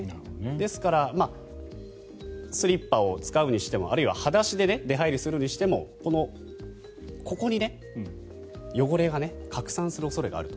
ですからスリッパを使うにしてもあるいは裸足で出入りするにしてもここに汚れが拡散する恐れがあると。